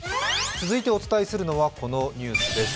続いてお伝えるすのはこちらのニュースです。